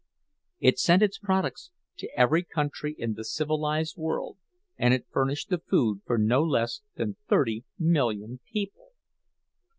It sent its products to every country in the civilized world, and it furnished the food for no less than thirty million people!